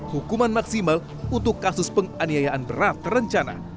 hukuman maksimal untuk kasus penganiayaan berat terencana